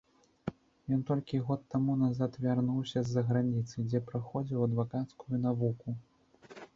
Ён толькі год таму назад вярнуўся з заграніцы, дзе праходзіў адвакацкую навуку.